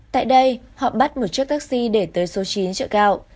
tại đây họ bắt một chiếc taxi để tới số chín chợ gạo